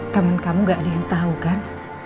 temen kamu gak ada yang tahu kan